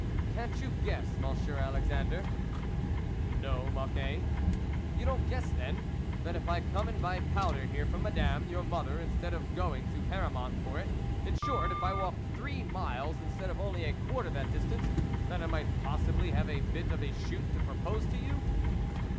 " Can't you guess, Monsieur Alexan dre ?"" No, Mocquet." " You don't guess, then, that if I come and buy powder here from Madame, your mother, instead of going to Haramont for it, in short, if I walk three miles instead of only a quarter that distance, that I might possibly have a bit of a shoot to propose to you